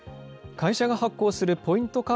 会社が発行するポイント